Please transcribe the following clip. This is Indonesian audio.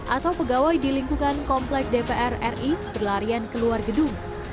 atau pegawai di lingkungan komplek dpr ri berlarian keluar gedung